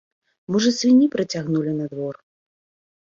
Можа, свінні прыцягнулі на двор.